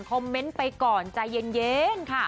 คอมเมนต์ไปก่อนใจเย็น